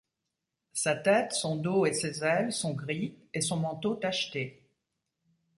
Sa tête, son dos et ses ailes sont gris et son manteau tacheté.